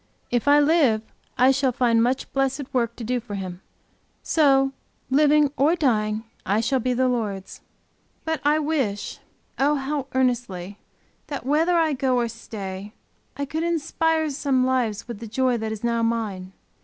If I live, I shall find much blessed work to do for Him. So living or dying I shall be the Lord's. But I wish, oh how earnestly, that whether I go or stay, I could inspire some lives with the joy that is now mine.